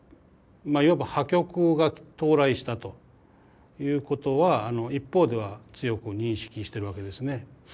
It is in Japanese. いわば破局が到来したということは一方では強く認識してるわけですね。